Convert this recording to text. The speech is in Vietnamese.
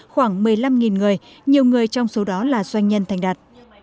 khoảng một mươi năm người nhiều người trong số đó là doanh nhân thành đạt